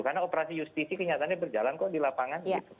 karena operasi justisi kenyataannya berjalan kok di lapangan gitu